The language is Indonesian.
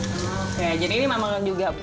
oke jadi ini memang juga